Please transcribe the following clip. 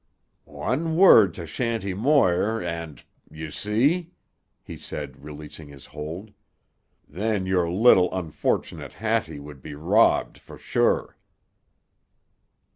"One word to Shanty Moir, and—you see?" he said, releasing his hold. "Then your little, unfortunate Hattie would be robbed for sure."